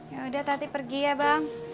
yaudah tati pergi ya bang